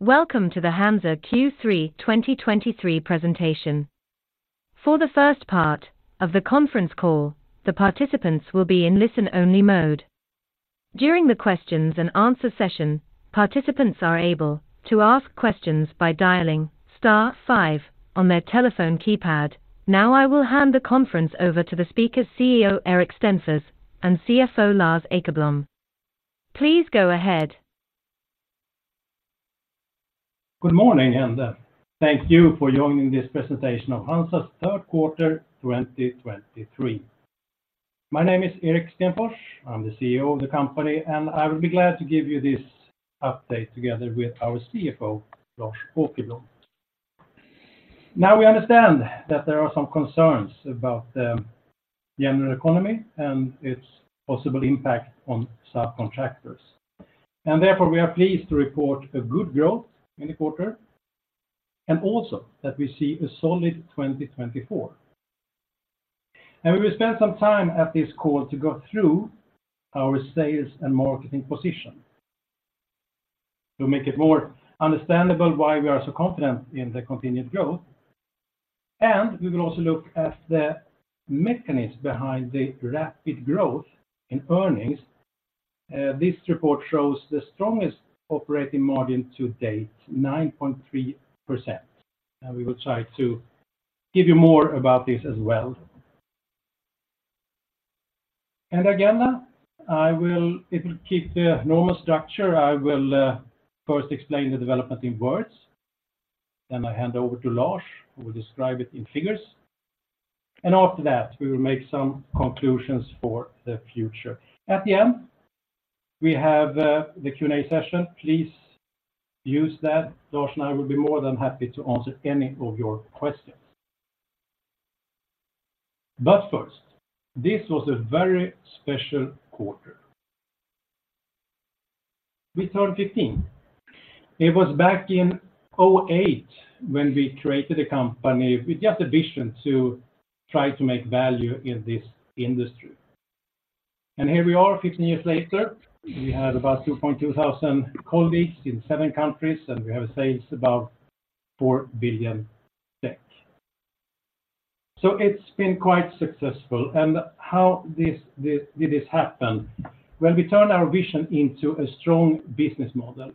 Welcome to the HANZA Q3 2023 presentation. For the first part of the conference call, the participants will be in listen-only mode. During the questions and answer session, participants are able to ask questions by dialing star five on their telephone keypad. Now, I will hand the conference over to the speakers, CEO Erik Stenfors, and CFO Lars Åkerblom. Please go ahead. Good morning, and, thank you for joining this presentation of HANZA's third quarter 2023. My name is Erik Stenfors, I'm the CEO of the company, and I will be glad to give you this update together with our CFO, Lars Åkerblom. Now, we understand that there are some concerns about the general economy and its possible impact on subcontractors, and therefore, we are pleased to report a good growth in the quarter and also that we see a solid 2024. We will spend some time at this call to go through our sales and marketing position to make it more understandable why we are so confident in the continued growth. We will also look at the mechanisms behind the rapid growth in earnings. This report shows the strongest operating margin to date, 9.3%, and we will try to give you more about this as well. Again, it will keep the normal structure. I will first explain the development in words, then I hand over to Lars, who will describe it in figures, and after that, we will make some conclusions for the future. At the end, we have the Q&A session. Please use that. Lars and I will be more than happy to answer any of your questions. But first, this was a very special quarter. We turned 15. It was back in 2008 when we created a company with just a vision to try to make value in this industry. Here we are, 15 years later. We have about 2,200 colleagues in seven countries, and we have sales about 4 billion. So it's been quite successful. And how did this happen? When we turn our vision into a strong business model,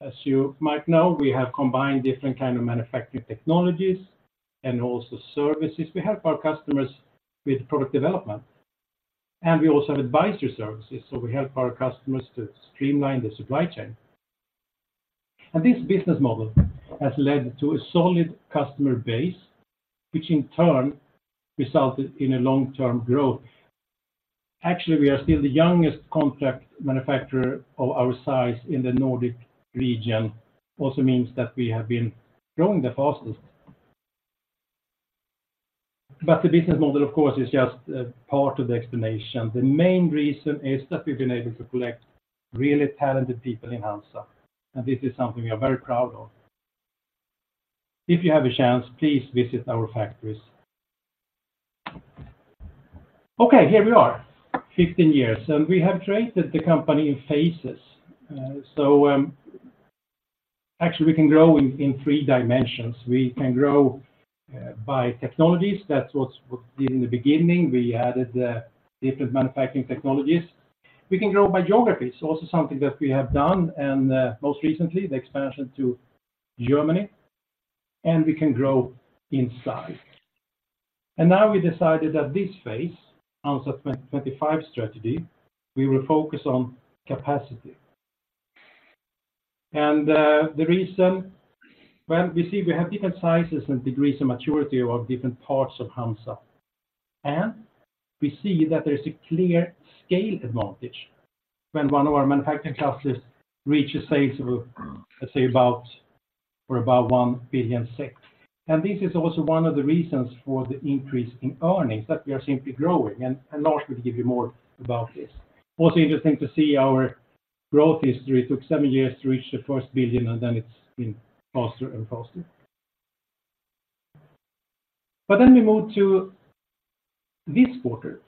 as you might know, we have combined different kind of manufacturing technologies and also services. We help our customers with product development, and we also have advisory services, so we help our customers to streamline the supply chain. And this business model has led to a solid customer base, which in turn resulted in a long-term growth. Actually, we are still the youngest contract manufacturer of our size in the Nordic Region. Also means that we have been growing the fastest. But the business model, of course, is just a part of the explanation. The main reason is that we've been able to collect really talented people in HANZA, and this is something we are very proud of. If you have a chance, please visit our factories. Okay, here we are, 15 years, and we have created the company in phases. Actually, we can grow in three dimensions. We can grow by technologies. That was what did in the beginning. We added different manufacturing technologies. We can grow by geography. It's also something that we have done, and most recently, the expansion to Germany, and we can grow in size. And now we decided that this phase, HANZA 2025 strategy, we will focus on capacity. The reason, when we see we have different sizes and degrees of maturity of different parts of HANZA, and we see that there's a clear scale advantage when one of our manufacturing clusters reaches sales of, let's say, about for above 1 billion. This is also one of the reasons for the increase in earnings, that we are simply growing, and Lars will give you more about this. Also interesting to see our growth history. It took seven years to reach the first 1 billion, and then it's been faster and faster. Then we move to this quarter.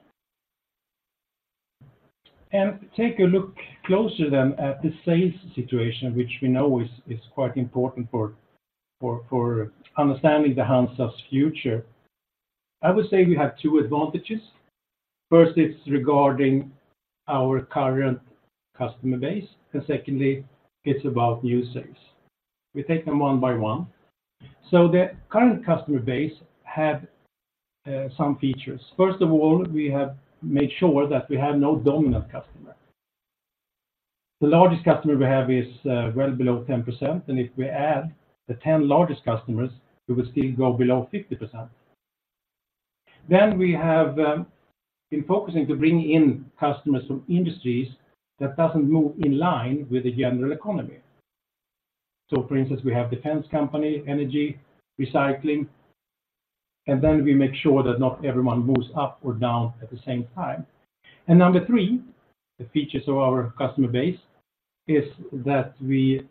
Take a look closer at the sales situation, which we know is quite important for understanding the HANZA's future. I would say we have two advantages. First, it's regarding our current customer base, and secondly, it's about new sales. We take them one by one. So the current customer base have some features. First of all, we have made sure that we have no dominant customer. The largest customer we have is well below 10%, and if we add the 10 largest customers, we will still go below 50%. Then we have been focusing to bring in customers from industries that doesn't move in line with the general economy. So for instance, we have defense company, energy, recycling, and then we make sure that not everyone moves up or down at the same time. And number three, the features of our customer base is that we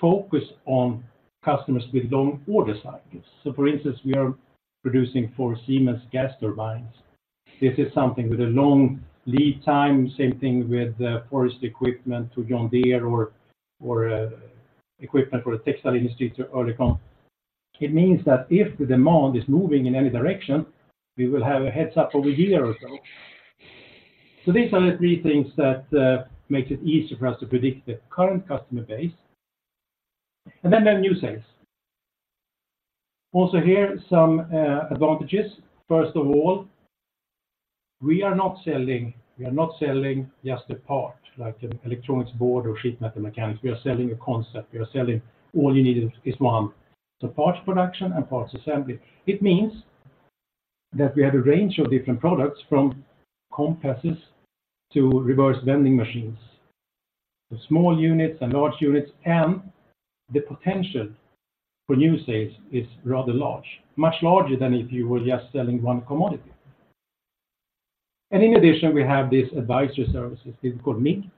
focus on customers with long order cycles. So for instance, we are producing for Siemens gas turbines. This is something with a long lead time, same thing with forest equipment to John Deere or equipment for the textile industry to Oerlikon. It means that if the demand is moving in any direction, we will have a heads up over a year or so. So these are the three things that makes it easier for us to predict the current customer base, and then the new sales. Also here, some advantages. First of all, we are not selling, we are not selling just a part, like an electronics board or sheet metal mechanics. We are selling a concept. We are selling all you need in this one, so parts production and parts assembly. It means that we have a range of different products, from compasses to reverse vending machines, the small units and large units, and the potential for new sales is rather large, much larger than if you were just selling one commodity. In addition, we have this advisory services we call MIG,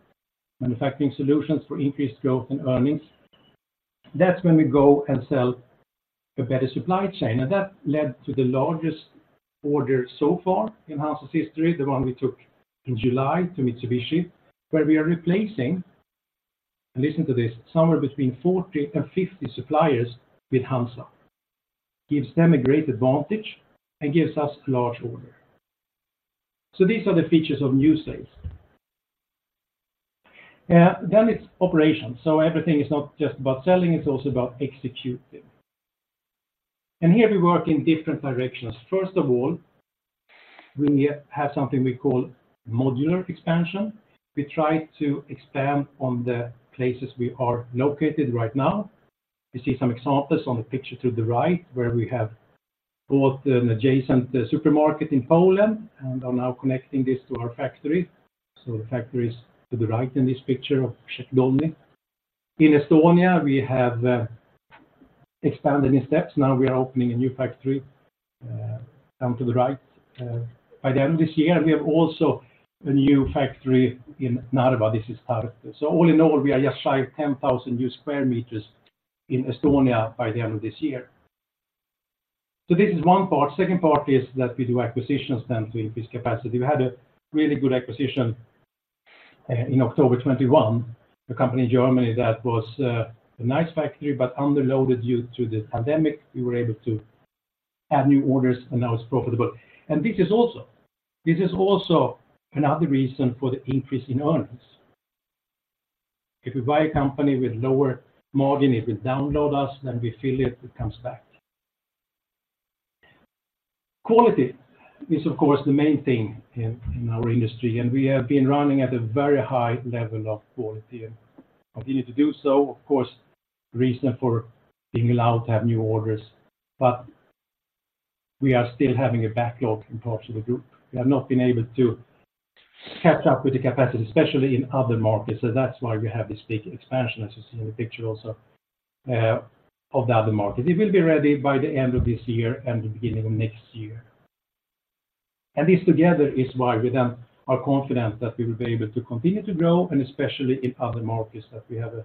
Manufacturing Solutions for Increased Growth and Earnings. That's when we go and sell a better supply chain, and that led to the largest order so far in HANZA's history, the one we took in July to Mitsubishi, where we are replacing, and listen to this, somewhere between 40 and 50 suppliers with HANZA. Gives them a great advantage and gives us a large order. These are the features of new sales. Then it's operations, so everything is not just about selling, it's also about executing. And here we work in different directions. First of all, we have something we call modular expansion. We try to expand on the places we are located right now. You see some examples on the picture to the right, where we have bought an adjacent supermarket in Poland and are now connecting this to our factory. So the factory is to the right in this picture of Szczecin. In Estonia, we have expanded in steps. Now we are opening a new factory down to the right by the end of this year. We have also a new factory in Narva. This is part. So all in all, we are just 5-10,000 new square meters in Estonia by the end of this year. So this is one part. Second part is that we do acquisitions then to increase capacity. We had a really good acquisition in October 2021, a company in Germany that was a nice factory, but underloaded due to the pandemic. We were able to add new orders, and now it's profitable. And this is also, this is also another reason for the increase in earnings. If we buy a company with lower margin, it will download us, then we fill it, it comes back. Quality is, of course, the main thing in our industry, and we have been running at a very high level of quality and continue to do so. Of course, reason for being allowed to have new orders, but we are still having a backlog in parts of the group. We have not been able to catch up with the capacity, especially in other markets, so that's why we have this big expansion, as you see in the picture also, of the other market. It will be ready by the end of this year and the beginning of next year. And this together is why we then are confident that we will be able to continue to grow, and especially in other markets, that we have a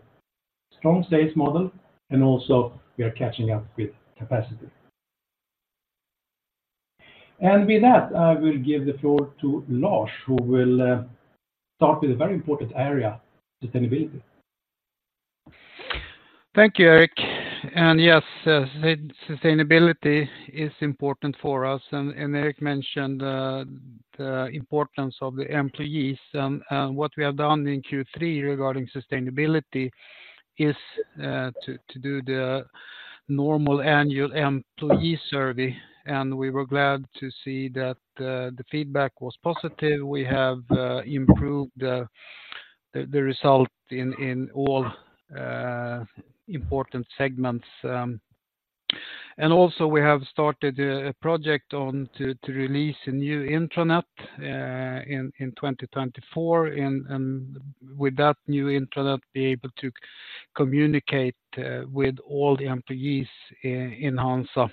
strong sales model and also we are catching up with capacity. And with that, I will give the floor to Lars, who will start with a very important area, sustainability. Thank you, Erik. And yes, sustainability is important for us, and Erik mentioned the importance of the employees. And what we have done in Q3 regarding sustainability is to do the normal annual employee survey, and we were glad to see that the feedback was positive. We have improved the result in all important segments. And also we have started a project to release a new intranet in 2024, and with that new intranet, be able to communicate with all the employees in HANZA.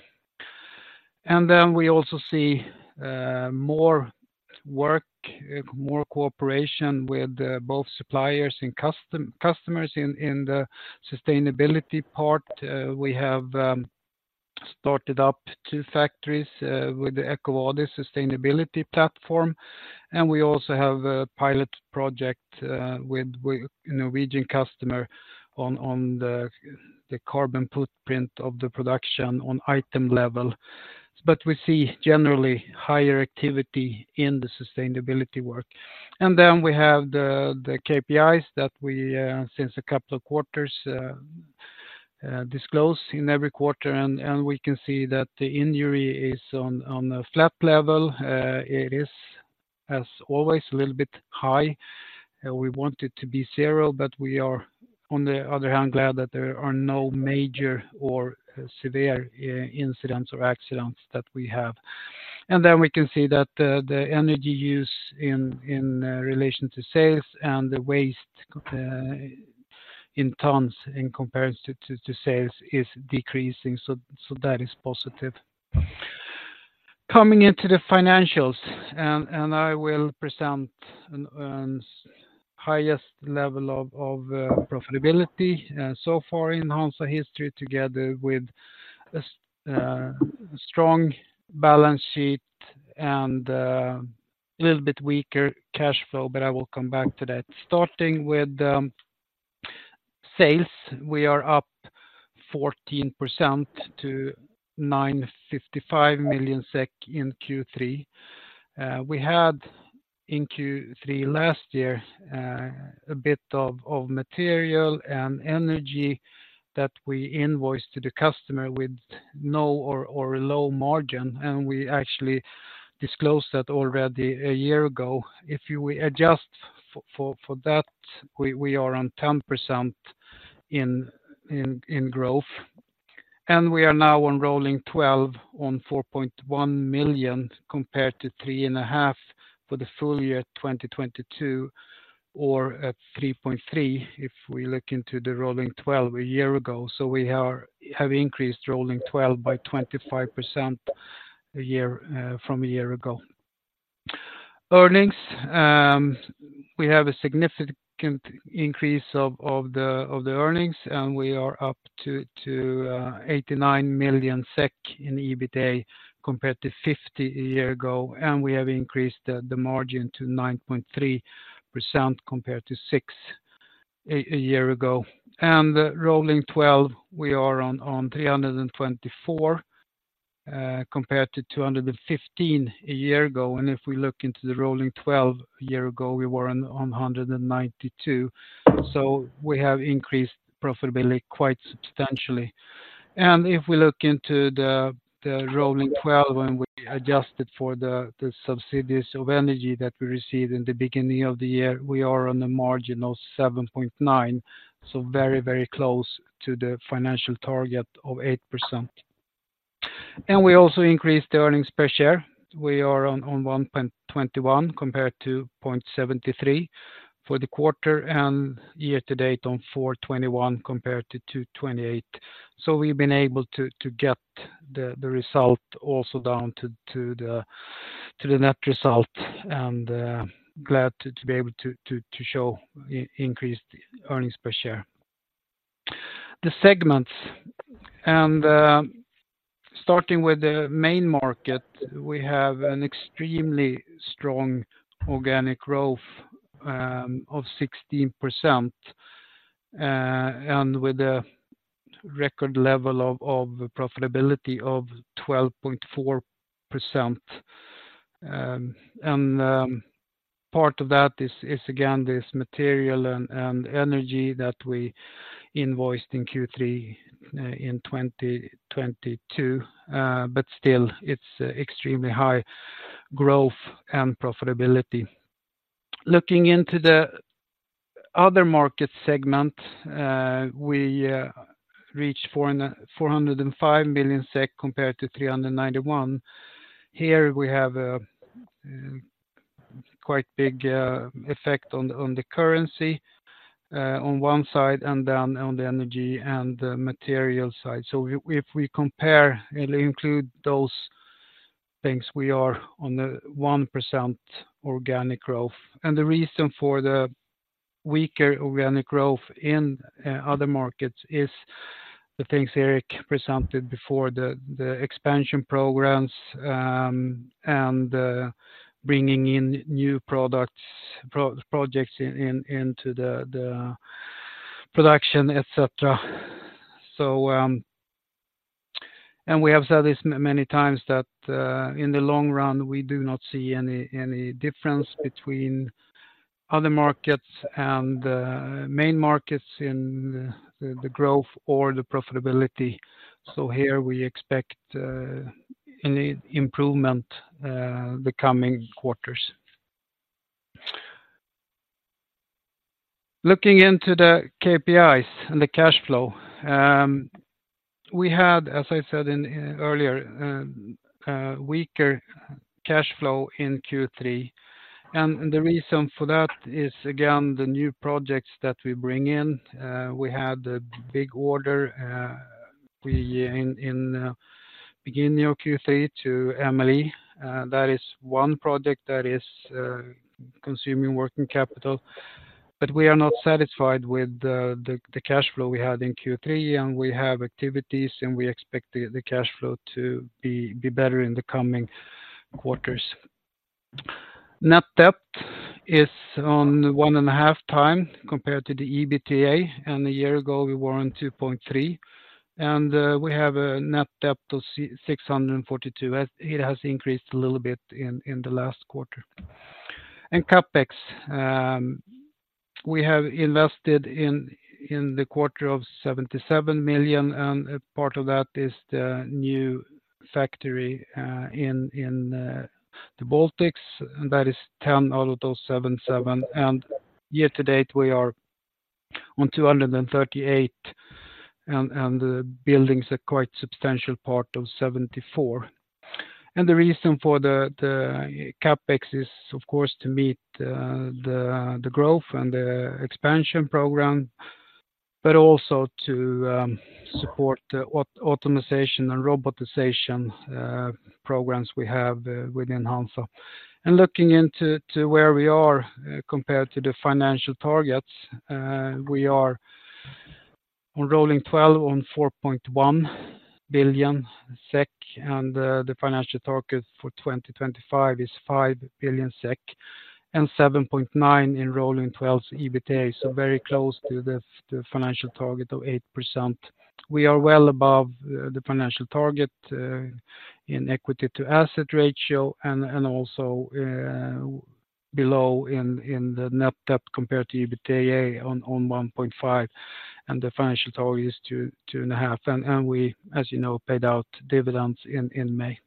And then we also see more work, more cooperation with both suppliers and customers in the sustainability part. We have started up two factories with the Ecovadis sustainability platform, and we also have a pilot project with a Norwegian customer on the carbon footprint of the production on item level. But we see generally higher activity in the sustainability work. And then we have the KPIs that we since a couple of quarters disclose in every quarter, and we can see that the injury is on a flat level. It is, as always, a little bit high, and we want it to be zero, but we are, on the other hand, glad that there are no major or severe incidents or accidents that we have. Then we can see that the energy use in relation to sales and the waste in tons in comparison to sales is decreasing, so that is positive. Coming into the financials, I will present highest level of profitability so far in HANZA history, together with a strong balance sheet and a little bit weaker cash flow, but I will come back to that. Starting with sales, we are up 14% to 955 million SEK in Q3. We had in Q3 last year a bit of material and energy that we invoiced to the customer with no or a low margin, and we actually disclosed that already a year-ago. If you adjust for that, we are on 10% in growth, and we are now on rolling 12 on 4.1 million, compared to 3.5 for the full year 2022, or at 3.3, if we look into the rolling 12 a year-ago. So we have increased rolling 12 by 25% a year from a year-ago. Earnings, we have a significant increase of the earnings, and we are up to 89 million SEK in EBITA, compared to 50 million a year-ago, and we have increased the margin to 9.3%, compared to 6% a year-ago. And rolling 12, we are on 324, compared to 215 a year-ago. If we look into the rolling 12 a year-ago, we were on 192. So we have increased profitability quite substantially. If we look into the rolling 12, and we adjust it for the subsidies of energy that we received in the beginning of the year, we are on a margin of 7.9%, so very, very close to the financial target of 8%. We also increased the earnings per share. We are on 1.21, compared to 0.73 for the quarter, and year-to-date on 4.21, compared to 2.28. So we've been able to get the result also down to the net result, and glad to be able to show increased earnings per share. The segments, and starting with the main market, we have an extremely strong organic growth of 16%, and with a record level of profitability of 12.4%. And part of that is again this material and energy that we invoiced in Q3 in 2022. But still, it's extremely high growth and profitability. Looking into the other market segment, we reached 405 million SEK, compared to 391 million. Here we have a quite big effect on the currency on one side, and then on the energy and the material side. So if we compare and include those things, we are on a 1% organic growth. The reason for the weaker organic growth in other markets is the things Erik presented before: the expansion programs and bringing in new products, projects into the production, et cetera. We have said this many times, that in the long run, we do not see any difference between other markets and main markets in the growth or the profitability. So here we expect an improvement in the coming quarters. Looking into the KPIs and the cash flow, we had, as I said earlier, a weaker cash flow in Q3, and the reason for that is, again, the new projects that we bring in. We had a big order in the beginning of Q3 to MLE. That is one project that is consuming working capital, but we are not satisfied with the cash flow we had in Q3, and we have activities, and we expect the cash flow to be better in the coming quarters. Net debt is on 1.5x compared to the EBITDA, and a year-ago we were on 2.3x, and we have a net debt of 642 million. It has increased a little bit in the last quarter. And CapEx, we have invested in the quarter of 77 million, and a part of that is the new factory in the Baltics, and that is 10 out of those 77. And year-to-date, we are on 238 million, and the buildings are quite substantial part of 74 million. The reason for the CapEx is of course to meet the growth and the expansion program, but also to support the automation and robotization programs we have within HANZA. Looking into where we are compared to the financial targets, we are on rolling 12 on 4.1 billion SEK, and the financial target for 2025 is 5 billion SEK, and 7.9 in rolling 12's EBITDA. So very close to the financial target of 8%. We are well above the financial target in equity to asset ratio and also below in the net debt compared to EBITDA on 1.5, and the financial target is 2-2.5. And we, as you know, paid out dividends in May.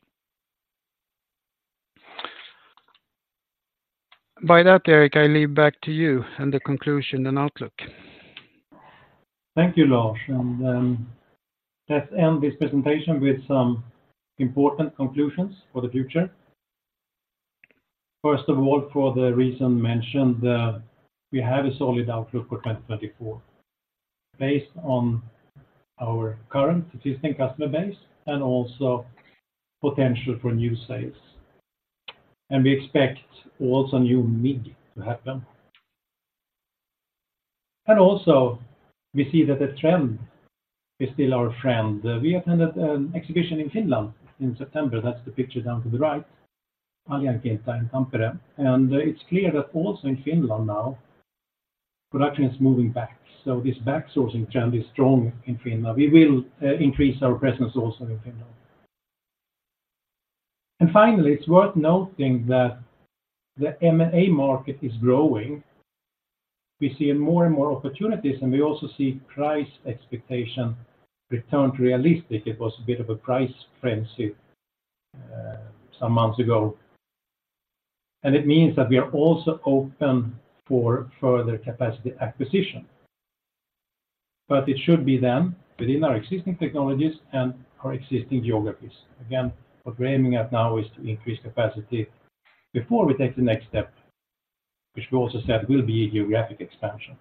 By that, Erik, I leave back to you and the conclusion and outlook. Thank you, Lars. And, let's end this presentation with some important conclusions for the future. First of all, for the reason mentioned, we have a solid outlook for 2024, based on our current existing customer base and also potential for new sales. And we expect also a new MIG to happen. And also, we see that the trend is still our friend. We attended an exhibition in Finland in September. That's the picture down to the right, Alihankinta in Tampere. And it's clear that also in Finland now, production is moving back, so this back-sourcing trend is strong in Finland. We will increase our presence also in Finland. And finally, it's worth noting that the M&A market is growing. We see more and more opportunities, and we also see price expectation return to realistic. It was a bit of a price frenzy some months ago. It means that we are also open for further capacity acquisition. But it should be then within our existing technologies and our existing geographies. Again, what we're aiming at now is to increase capacity before we take the next step, which we also said will be geographic expansion.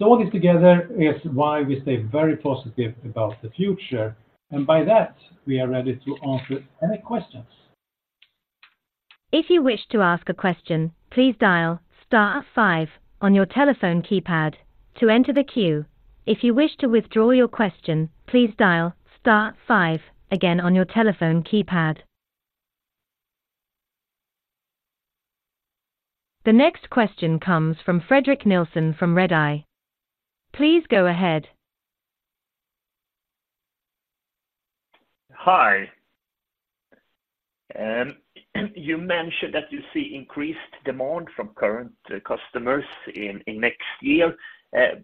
All this together is why we stay very positive about the future, and by that, we are ready to answer any questions. If you wish to ask a question, please dial star five on your telephone keypad to enter the queue. If you wish to withdraw your question, please dial star five again on your telephone keypad. The next question comes from Fredrik Nilsson from Redeye. Please go ahead. Hi. You mentioned that you see increased demand from current customers in next year.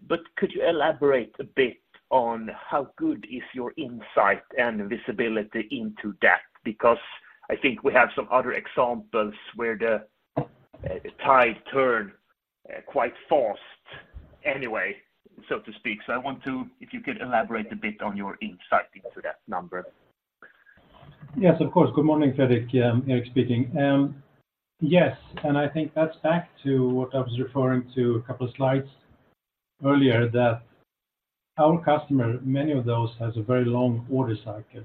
But could you elaborate a bit on how good is your insight and visibility into that? Because I think we have some other examples where the tide turn quite fast anyway, so to speak. So I want to... if you could elaborate a bit on your insight into that number. Yes, of course. Good morning, Fredrik, Erik speaking. Yes, and I think that's back to what I was referring to a couple of slides earlier, that our customer, many of those, has a very long order cycle.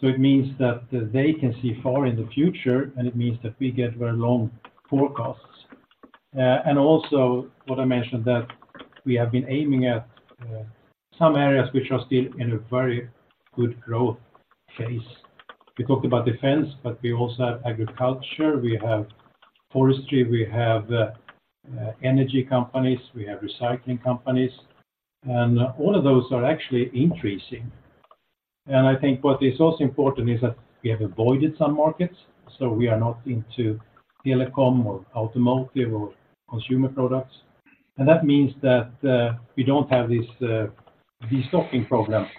So it means that they can see far in the future, and it means that we get very long forecasts. And also, what I mentioned, that we have been aiming at, some areas which are still in a very good growth phase. We talked about defense, but we also have agriculture, we have forestry, we have, energy companies, we have recycling companies, and all of those are actually increasing. And I think what is also important is that we have avoided some markets, so we are not into telecom, or automotive, or consumer products. That means that we don't have this destocking problem that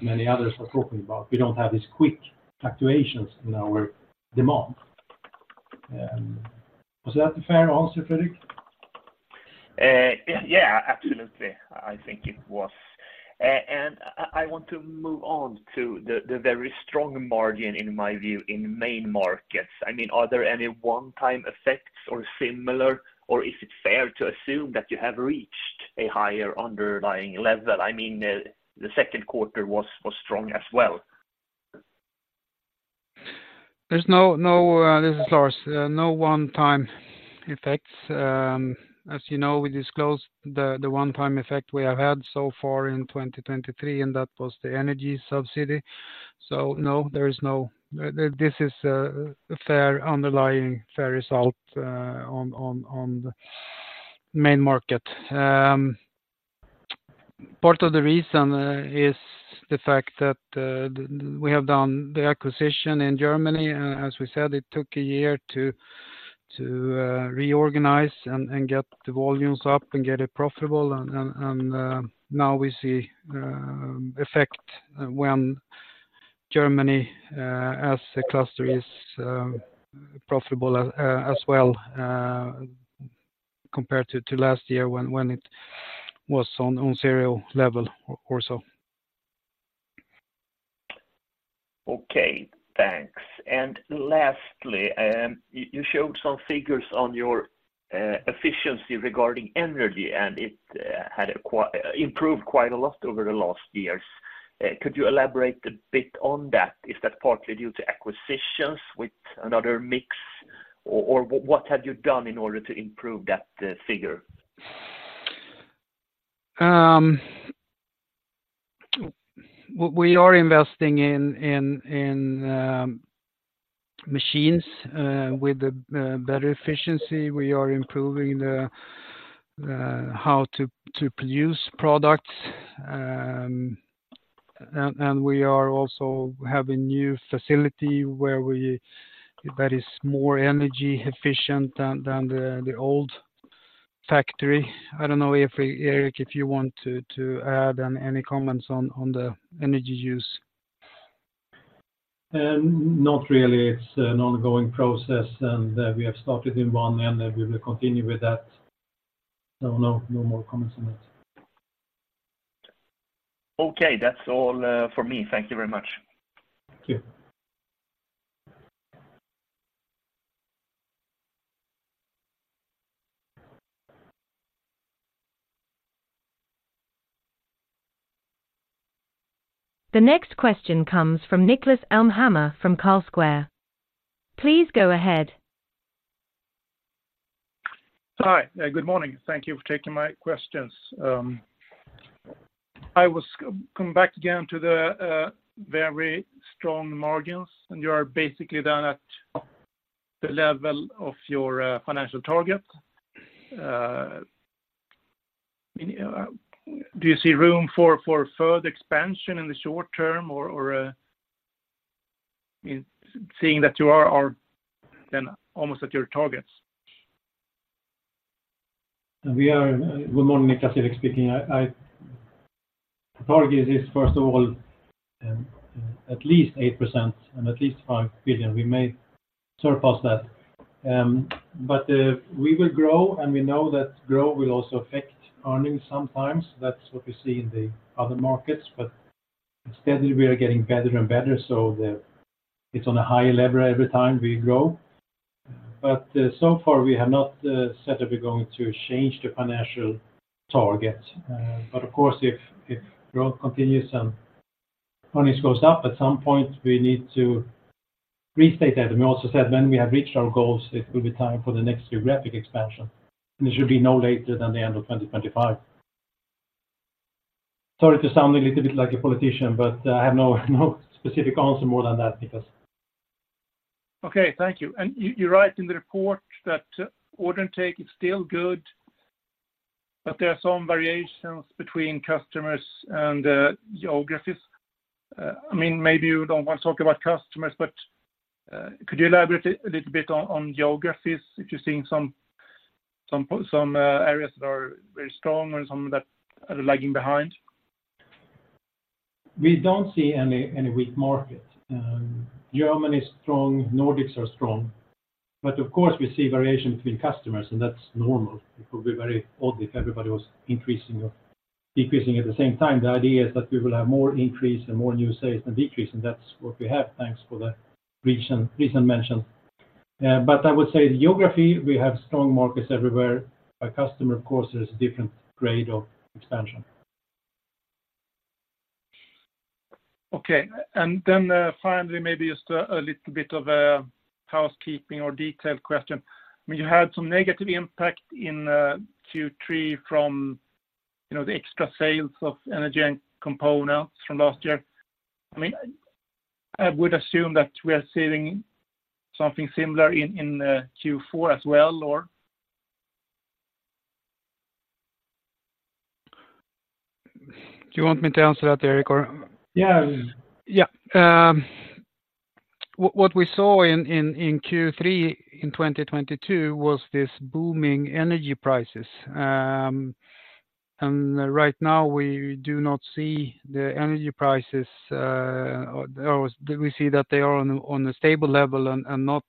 many others are talking about. We don't have these quick fluctuations in our demand. Was that a fair answer, Fredrik? Yeah, yeah, absolutely. I think it was. I want to move on to the very strong margin, in my view, in main markets. I mean, are there any one-time effects or similar, or is it fair to assume that you have reached a higher underlying level? I mean, the second quarter was strong as well. This is Lars. No one-time effects. As you know, we disclosed the one-time effect we have had so far in 2023, and that was the energy subsidy. So no, there is no. This is a fair underlying, fair result on the main market. Part of the reason is the fact that we have done the acquisition in Germany, and as we said, it took a year to reorganize and get the volumes up and get it profitable. And now we see effect when Germany as a cluster is profitable as well compared to last year, when it was on zero level or so. Okay, thanks. And lastly, you showed some figures on your efficiency regarding energy, and it had improved quite a lot over the last years. Could you elaborate a bit on that? Is that partly due to acquisitions with another mix, or what have you done in order to improve that figure? We are investing in machines with better efficiency. We are improving the how to produce products. We are also having new facility where that is more energy efficient than the old factory. I don't know if Erik, if you want to add any comments on the energy use. Not really. It's an ongoing process, and we have started in one, and then we will continue with that. So no, no more comments on it. Okay, that's all for me. Thank you very much. Thank you. The next question comes from Niklas Elmhammer from Carlsquare. Please go ahead. Hi, good morning. Thank you for taking my questions. I was coming back again to the very strong margins, and you are basically down at the level of your financial target. I mean, do you see room for further expansion in the short term, or in seeing that you are then almost at your targets? Good morning, Nicholas. Erik speaking. The target is first of all at least 8% and at least 5 billion. We may surpass that. We will grow, and we know that growth will also affect earnings sometimes. That's what we see in the other markets, but instead, we are getting better and better, so it's on a higher level every time we grow. So far, we have not said that we're going to change the financial target. Of course, if growth continues and earnings goes up, at some point, we need to restate that. And we also said when we have reached our goals, it will be time for the next geographic expansion, and it should be no later than the end of 2025. Sorry to sound a little bit like a politician, but I have no, no specific answer more than that because. Okay, thank you. And you write in the report that order intake is still good, but there are some variations between customers and geographies. I mean, maybe you don't want to talk about customers, but could you elaborate a little bit on geographies, if you're seeing some areas that are very strong or some that are lagging behind? We don't see any weak market. Germany is strong, Nordics are strong, but of course, we see variation between customers, and that's normal. It would be very odd if everybody was increasing or decreasing at the same time. The idea is that we will have more increase and more new sales than decrease, and that's what we have, thanks for the recent mention. But I would say the geography, we have strong markets everywhere. By customer, of course, there's a different grade of expansion. Okay. And then, finally, maybe just a little bit of a housekeeping or detailed question. I mean, you had some negative impact in Q3 from, you know, the extra sales of energy and components from last year. I mean, I would assume that we are seeing something similar in Q4 as well, or? Do you want me to answer that, Erik, or? Yeah. Yeah. What we saw in Q3 in 2022 was this booming energy prices. And right now, we do not see the energy prices, or we see that they are on a stable level and not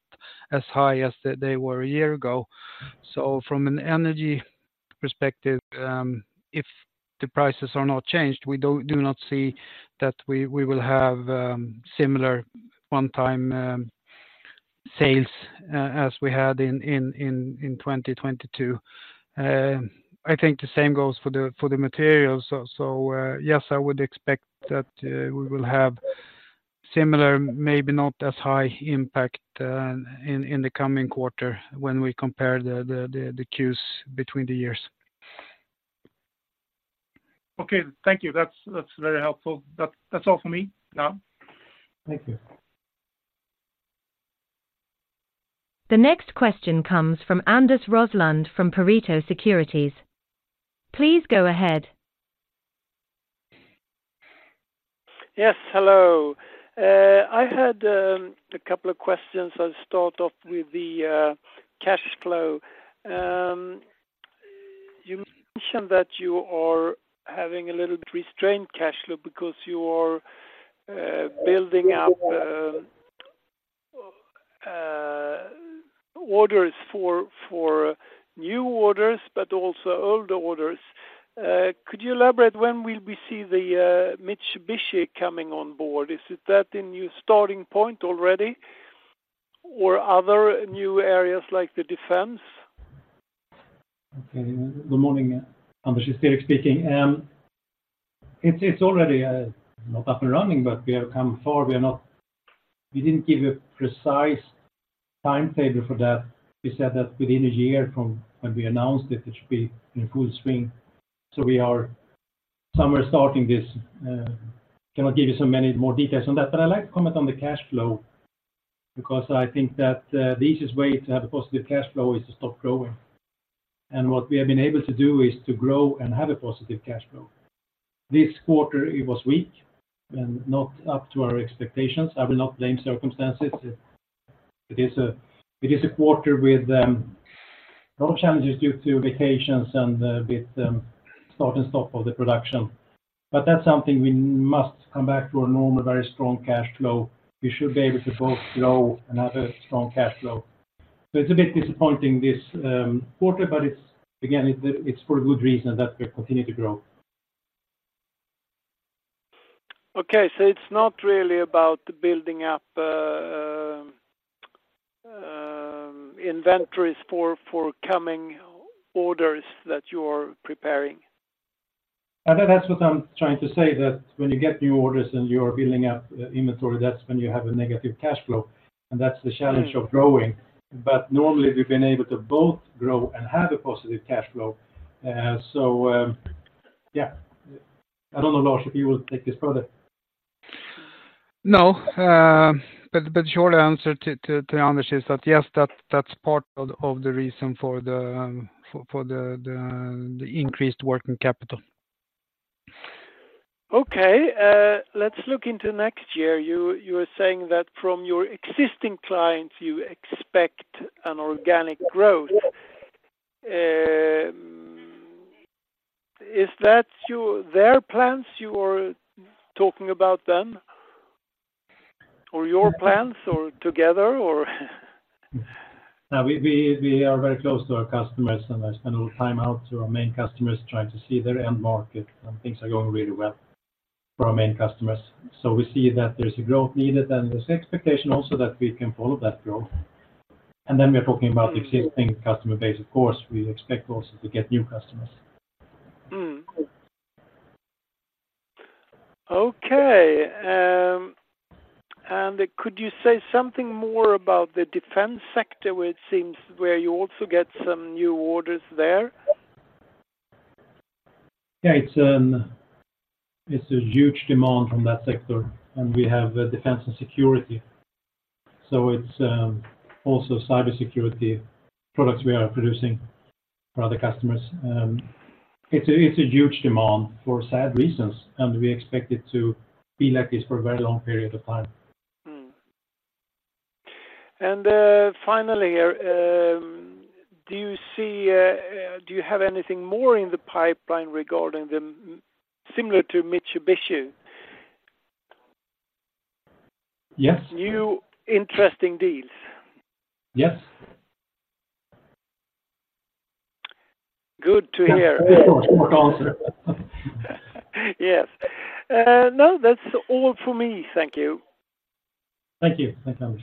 as high as they were a year-ago. So from an energy perspective, if the prices are not changed, we do not see that we will have similar one-time sales as we had in 2022. I think the same goes for the materials. Yes, I would expect that we will have similar, maybe not as high impact, in the coming quarter when we compare the Qs between the years. Okay, thank you. That's, that's very helpful. That's, that's all for me now. Thank you. The next question comes from Anders Roslund from Pareto Securities. Please go ahead. Yes, hello. I had a couple of questions. I'll start off with the cash flow. You mentioned that you are having a little bit restrained cash flow because you are building up orders for new orders, but also older orders. Could you elaborate when will we see the Mitsubishi coming on board? Is that the new starting point already, or other new areas like the defense? Okay. Good morning, Anders It's Erik speaking. It's already not up and running, but we have come far. We didn't give a precise timetable for that. We said that within a year from when we announced it, it should be in full swing. So we are somewhere starting this, cannot give you so many more details on that, but I'd like to comment on the cash flow, because I think that the easiest way to have a positive cash flow is to stop growing. And what we have been able to do is to grow and have a positive cash flow. This quarter, it was weak and not up to our expectations. I will not blame circumstances. It is a quarter with a lot of challenges due to vacations and with start and stop of the production. But that's something we must come back to a normal, very strong cash flow. We should be able to both grow and have a strong cash flow. So it's a bit disappointing this quarter, but it's, again, for a good reason, and that we continue to grow. Okay, so it's not really about building up inventories for coming orders that you are preparing? I think that's what I'm trying to say, that when you get new orders and you are building up inventory, that's when you have a negative cash flow, and that's the challenge of growing. But normally, we've been able to both grow and have a positive cash flow. So, yeah. I don't know, Lars, if you will take this further. No, but short answer to Anders is that, yes, that's part of the reason for the increased working capital. Okay, let's look into next year. You were saying that from your existing clients, you expect an organic growth. Is that their plans you are talking about then? Or your plans or together, or? We are very close to our customers, and I spend a little time out to our main customers trying to see their end market, and things are going really well for our main customers. So we see that there's a growth needed, and there's expectation also that we can follow that growth. And then we're talking about the existing customer base. Of course, we expect also to get new customers. Okay, and could you say something more about the defense sector, where it seems you also get some new orders there? Yeah, it's a huge demand from that sector, and we have a defense and security. So it's also cybersecurity products we are producing for other customers. It's a huge demand for sad reasons, and we expect it to be like this for a very long period of time. Finally, do you have anything more in the pipeline regarding the, similar to Mitsubishi? Yes. New, interesting deals? Yes. Good to hear. Short answer. Yes. No, that's all for me. Thank you. Thank you. Thanks, Anders.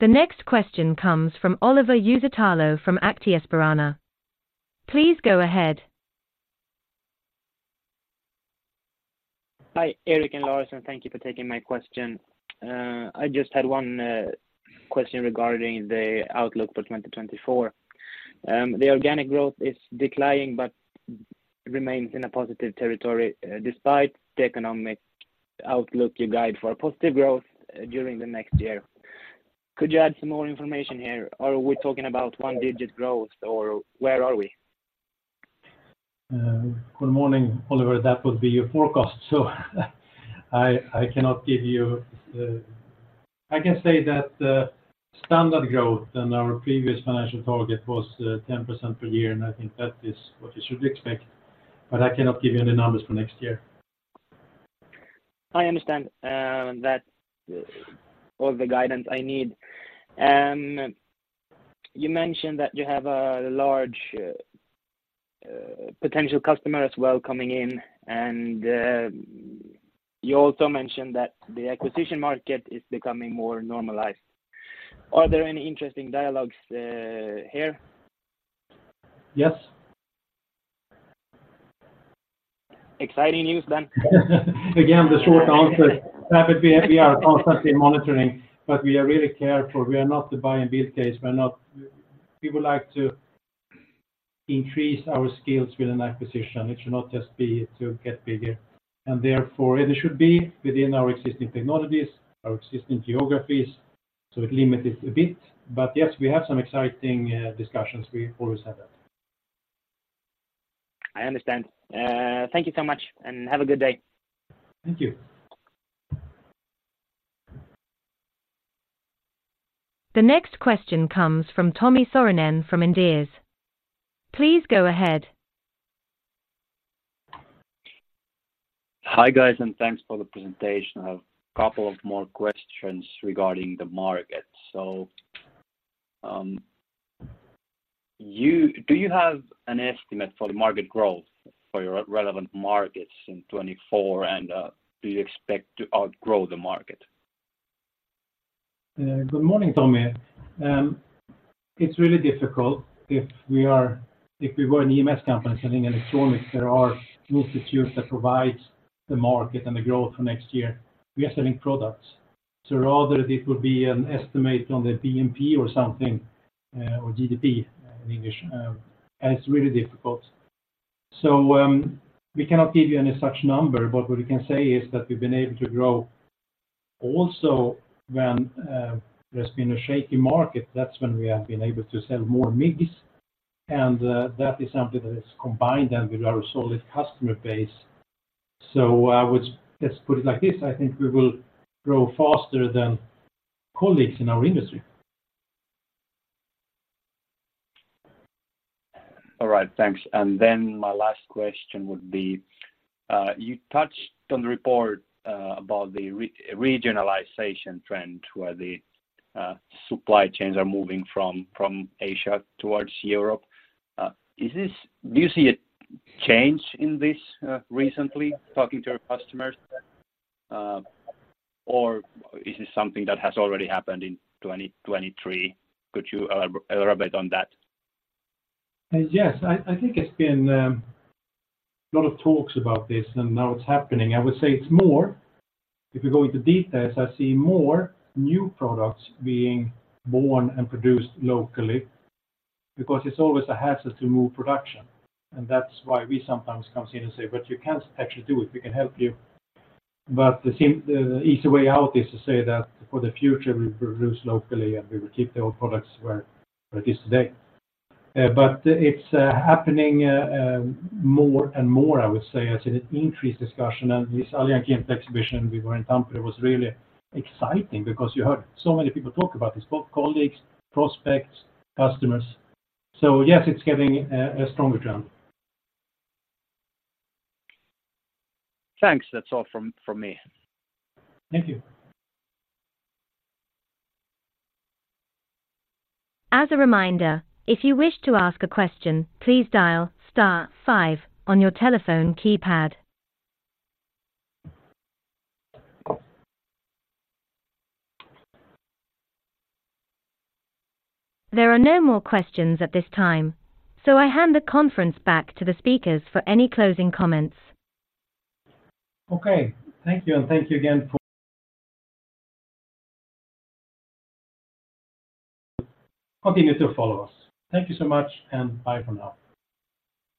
The next question comes from Oliver Uusitalo from Aktia Sparbanken. Please go ahead. Hi, Erik and Lars, and thank you for taking my question. I just had one, question regarding the outlook for 2024. The organic growth is declining but remains in a positive territory. Despite the economic outlook, you guide for a positive growth during the next year. Could you add some more information here? Are we talking about one-digit growth, or where are we? Good morning, Oliver. That would be your forecast, so, I cannot give you... I can say that the standard growth in our previous financial target was, 10% per year, and I think that is what you should expect, but I cannot give you any numbers for next year. I understand, that's all the guidance I need. You mentioned that you have a large potential customer as well coming in, and you also mentioned that the acquisition market is becoming more normalized. Are there any interesting dialogues here? Yes. Exciting news, then. Again, the short answer, that we are constantly monitoring, but we are really careful. We are not the buy and build case. We are not- we would like to increase our skills with an acquisition. It should not just be to get bigger, and therefore, it should be within our existing technologies, our existing geographies, so it limits it a bit. But yes, we have some exciting discussions. We always have that. I understand. Thank you so much, and have a good day. Thank you. The next question comes from Tommi Saarinen from Inderes. Please go ahead. Hi, guys, and thanks for the presentation. I have a couple of more questions regarding the market. So, do you have an estimate for the market growth for your relevant markets in 2024, and do you expect to outgrow the market? Good morning, Tommi. It's really difficult if we were an EMS company selling electronics, there are tools that you use that provides the market and the growth for next year. We are selling products, so rather it would be an estimate on the BNP or something, or GDP in English, and it's really difficult. So, we cannot give you any such number, but what we can say is that we've been able to grow also when there's been a shaky market. That's when we have been able to sell more MIGs, and that is something that is combined then with our solid customer base. So I would just put it like this: I think we will grow faster than colleagues in our industry. All right, thanks. And then my last question would be, you touched on the report about the regionalization trend, where the supply chains are moving from Asia towards Europe. Do you see a change in this recently, talking to your customers, or is this something that has already happened in 2023? Could you elaborate on that? Yes, I think it's been a lot of talks about this, and now it's happening. I would say it's more, if you go into details, I see more new products being born and produced locally because it's always a hazard to move production, and that's why we sometimes come in and say, "But you can actually do it, we can help you." But the easy way out is to say that for the future, we produce locally, and we will keep the old products where it is today. But it's happening more and more, I would say, I see an increased discussion. And this Alihankinta exhibition we were in Tampere was really exciting because you heard so many people talk about this, both colleagues, prospects, customers. So yes, it's getting a stronger trend. Thanks. That's all from me. Thank you. As a reminder, if you wish to ask a question, please dial star five on your telephone keypad. There are no more questions at this time, so I hand the conference back to the speakers for any closing comments. Okay. Thank you, and thank you again for... Continue to follow us. Thank you so much, and bye for now.